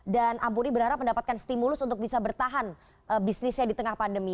dan ampuri berharap mendapatkan stimulus untuk bisa bertahan bisnisnya di tengah pandemi